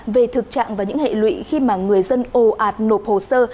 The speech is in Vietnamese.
về thực trạng và những hệ lụy khi mà người dân ồ ạt nộp hồ sơ